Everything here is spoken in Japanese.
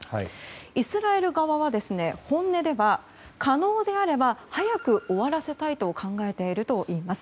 イスラエル側は本音では可能であれば早く終わらせたいと考えているといいます。